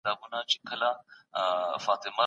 که انلاين تدريس دوام ولري زده کړه نه ځنډېږي.